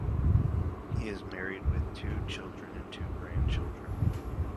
He is married with two children and two grandchildren.